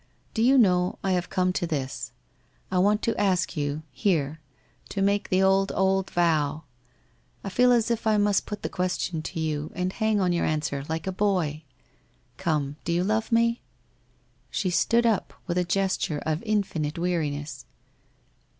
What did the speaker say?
' Do you know I have come to this — I want to ask you, here, to make the old, old vow. I feel as if I must put the question to you, and hang on your answer, like a boy. Come, do you love me ?' She stood up, with a gesture of infinite Aveariness.